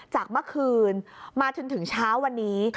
จากเมื่อคืนมาจนถึงเช้าวันนี้